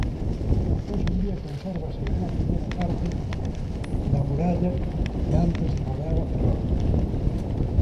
Hoxe en día consérvase unha pequena parte da muralla que antes rodeaba Ferrol.